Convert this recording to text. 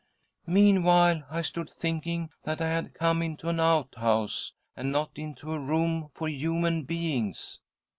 Meanwhile I stood thinking that I had come into an outhouse, and not into a room for human beings.